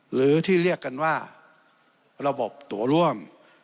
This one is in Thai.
หรือที่เรียกกันว่าระบบตัวร่วม